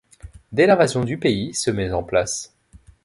Dès l'invasion du pays, se met en place.